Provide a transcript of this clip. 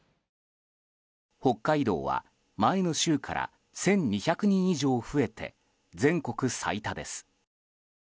北海道は前の週から１２００人以上増えて全国最多です。